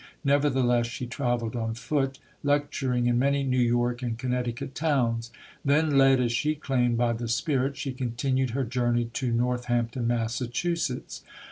Nevertheless, she trav eled on foot lecturing in many New York and Connecticut towns. Then led, as she claimed, by the spirit, she continued her journey to North ampton, Massachusetts.